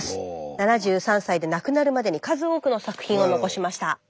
７３歳で亡くなるまでに数多くの作品を残しました。